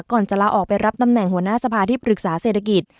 ก่อนจะลาออกไปรับตำแหน่งหัวหน้าสภาที่ปรึกษาเศรษฐกิจ